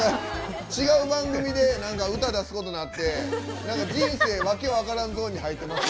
違う番組で歌を出すことになって人生訳分かんところに入って。